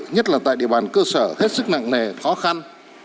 nhất là tại địa bàn cơ sở hết sức nặng nề khó khăn